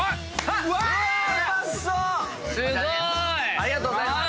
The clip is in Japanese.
ありがとうございます。